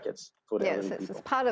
ini bagian dari